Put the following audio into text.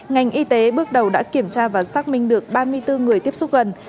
ngành y tế bước đầu đã kiểm tra và xác minh được ba mươi bốn người tiếp xúc gần